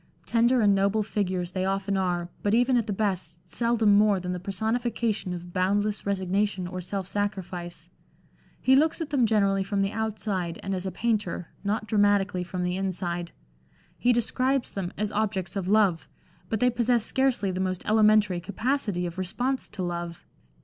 Tender and noble figures they often are, but even at the best seldom more than the personification of boundless resignation or self sacrifice. He looks at them generally from the outside and as a painter, not dramatically from the inside. He describes them as objects of love, but they possess scarcely the most elementary capacity of response to love.